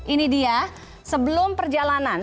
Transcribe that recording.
ini dia sebelum perjalanan